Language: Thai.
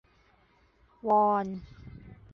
วอน